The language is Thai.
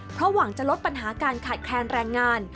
เพราะหวังจะลดปัญหาการขาดแคลนแรงงาน